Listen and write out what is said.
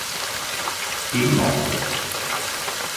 Il mod.